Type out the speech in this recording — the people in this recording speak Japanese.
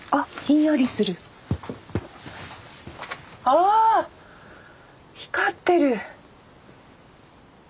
ああ光ってる！